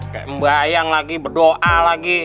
kayak membayang lagi berdoa lagi